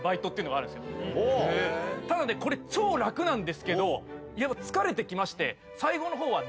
ただねこれ超楽なんですけどやっぱ疲れてきまして最後の方は。